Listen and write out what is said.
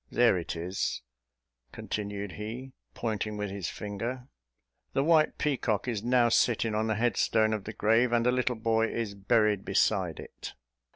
There it is," continued he, pointing with his finger; "the white peacock is now sitting on the headstone of the grave, and the little boy is buried beside it."